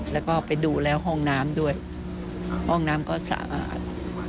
แล้วก็ไปดูแล้วห้องน้ำด้วยห้องน้ำก็สะอาด